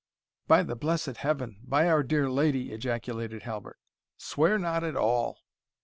"By the blessed Heaven! by our dear Lady!" ejaculated Halbert "Swear not at all!"